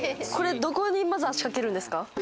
どこに、まず足かけるんですか？